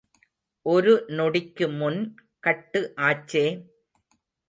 ஒரு நொடிக்குமுன் கட்டு ஆச்சே.